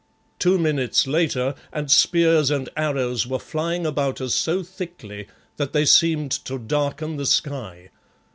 Two minutes later, and spears and arrows were flying about us so thickly that they seemed to darken the sky.